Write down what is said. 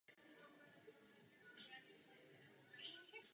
Souhlasím se zásadami spolupráce a komunikace.